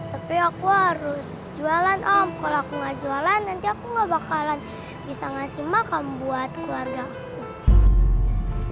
tapi aku harus jualan om kalau aku gak jualan nanti aku gak bakalan bisa ngasih makan buat keluarga